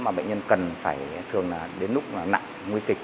mà bệnh nhân cần phải thường đến lúc nặng nguy kịch